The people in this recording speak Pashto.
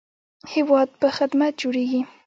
هیواد په خدمت جوړیږي